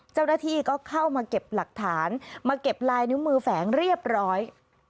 เจ้าหน้าที่ก็เข้ามาเก็บหลักฐานมาเก็บลายนิ้วมือแฝงเรียบร้อย